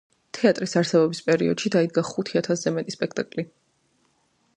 თეატრის არსებობის პერიოდში დაიდგა ხუთი ათასზე მეტი სპექტაკლი.